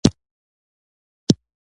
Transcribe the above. رسۍ د کندهار په کلیو کې ډېره کارېږي.